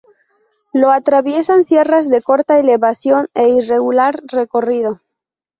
Lo atraviesan sierras de corta elevación e irregular recorrido.